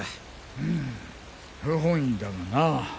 うむ不本意だがな。